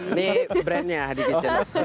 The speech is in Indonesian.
ini brandnya hadi kitchen